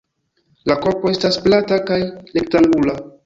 La korpo estas plata kaj rektangula.